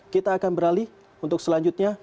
kita akan beralih untuk selanjutnya